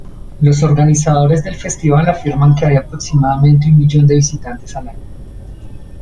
Los organizadores del festival afirman que hay aproximadamente un millón de visitantes cada año.